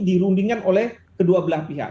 dirundingkan oleh kedua belah pihak